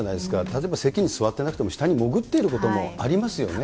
例えば席に座ってなくても、下に潜っていることもありますよね。